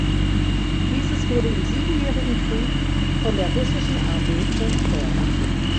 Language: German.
Dieses wurde im Siebenjährigen Krieg von der Russischen Armee zerstört.